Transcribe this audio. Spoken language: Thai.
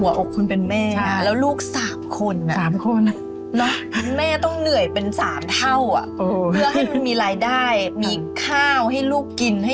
หัวอกคุณเป็นแม่แล้วลูก๓คน